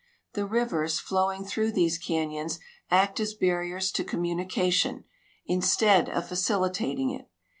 The rivers flowing through these canyons act as barriers to communication, instead of facilitating it.